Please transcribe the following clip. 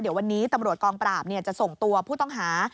เดี๋ยววันนี้ตำรวจกองปราบจะส่งตัวผู้ต้องหา